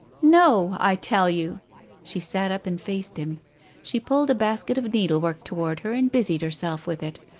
"No, I tell you." She sat up and faced him. She pulled a basket of needle work towards her and busied herself with it.